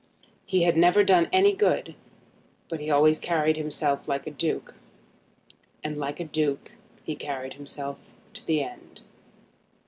He had never done any good, but he had always carried himself like a duke, and like a duke he carried himself to the end.